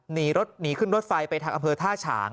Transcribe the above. หนีขึ้นรถไฟไปทางอำเภอท่าฉาง